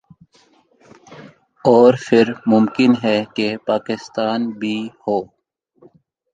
اور پھر ممکن ہے کہ پاکستان بھی ہو